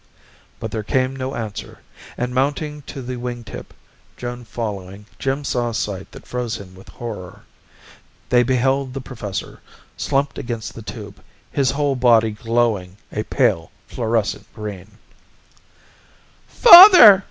But there came no answer, and mounting to the wing tip, Joan following, Jim saw a sight that froze him with horror. They beheld the professor, slumped against the tube, his whole body glowing a pale, fluorescent green.